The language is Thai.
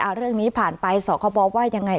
เอาเรื่องนี้ผ่านไปส่อครบ๊อบว่ายังไง